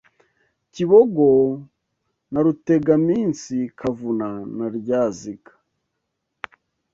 Kibogo na Rutegaminsi kavuna na ryaziga